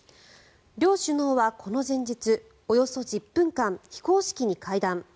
両首脳はこの前日およそ１０分間非公式に会談。